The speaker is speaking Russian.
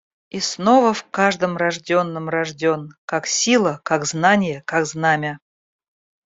И снова в каждом рожденном рожден — как сила, как знанье, как знамя.